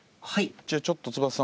じゃあちょっとつばささん